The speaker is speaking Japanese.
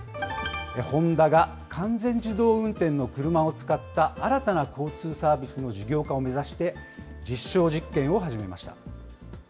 ホンダが完全自動運転の車を使った新たな交通サービスの事業化を目指して、実証実験を始めました。